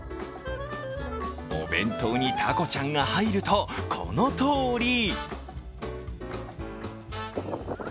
お弁当にタコちゃんが入るとこのとおり。